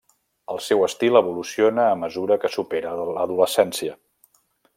El seu estil evoluciona a mesura que supera l'adolescència.